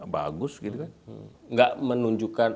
bagus gitu kan